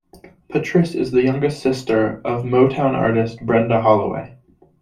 Patrice is the younger sister of Motown artist Brenda Holloway.